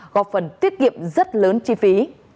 góp phần tiết kiệm rất lớn chi phí